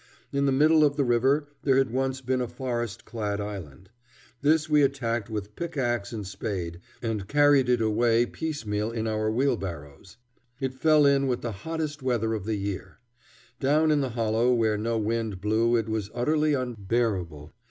In the middle of the river there had once been a forest clad island. This we attacked with pickaxe and spade and carried it away piecemeal in our wheelbarrows. It fell in with the hottest weather of the year. Down in the hollow where no wind blew it was utterly unbearable.